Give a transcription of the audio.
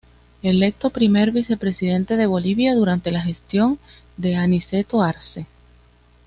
Electo Primer Vicepresidente de Bolivia durante la gestión de Aniceto Arce.